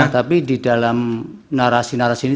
tapi di dalam narasi narasi ini